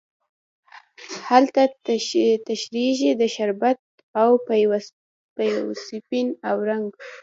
هلته تشیږې د شربت او پېو سپین او رنګین،